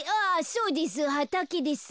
そうです。